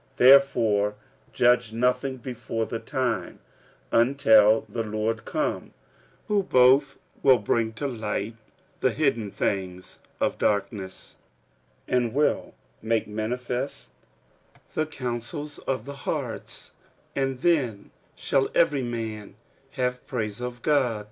46:004:005 Therefore judge nothing before the time, until the Lord come, who both will bring to light the hidden things of darkness, and will make manifest the counsels of the hearts: and then shall every man have praise of God.